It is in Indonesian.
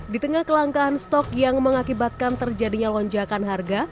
di tengah kelangkaan stok yang mengakibatkan terjadinya lonjakan harga